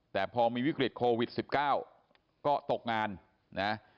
แต่พอมีวิกฤตโควิด๑๙ก็ตกงานนะ